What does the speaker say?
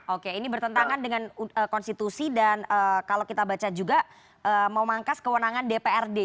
oke ini bertentangan dengan konstitusi dan kalau kita baca juga memangkas kewenangan dprd